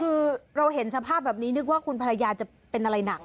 คือเราเห็นสภาพแบบนี้นึกว่าคุณภรรยาจะเป็นอะไรหนัก